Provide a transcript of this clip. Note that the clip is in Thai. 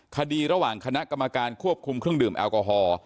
คดีระหว่างคณะกรรมการควบคุมเครื่องดื่มแอลกอฮอล์